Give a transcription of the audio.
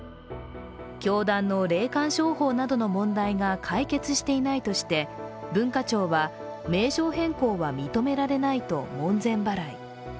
教団の霊感商法などの問題が解決していないとして文化庁は、名称変更は認められないと門前払い。